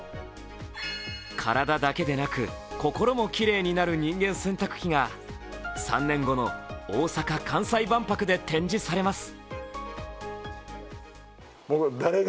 からだだけでなく心もきれいになる人間洗濯機が３年後の大阪・関西万博で展示されます。